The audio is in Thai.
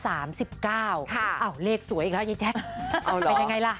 อ้าวเลขสวยอีกแล้วยายแจ๊คเป็นยังไงล่ะ